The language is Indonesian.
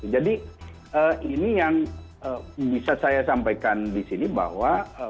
jadi ini yang bisa saya sampaikan di sini bahwa